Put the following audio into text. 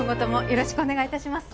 よろしくお願いします！